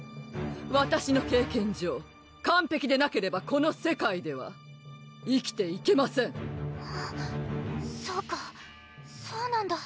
わたしの経験上完璧でなければこの世界では生きていけませんそうかそうなんだ